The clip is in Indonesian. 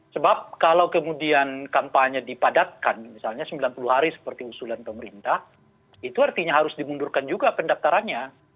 sebab kalau kemudian kampanye dipadatkan misalnya sembilan puluh hari seperti usulan pemerintah itu artinya harus dimundurkan juga pendaftarannya